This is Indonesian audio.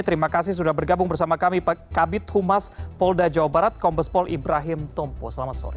terima kasih sudah bergabung bersama kami pak kabit humas polda jawa barat kombespol ibrahim tompo selamat sore